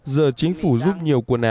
giờ chính phủ giúp nhiều quần áo